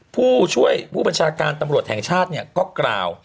ผู้ช่วยผู้บัญชาการตำรวจแห่งชาติเนี่ยก็กล่าว